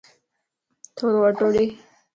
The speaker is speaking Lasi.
ٿورو اٽو ڏي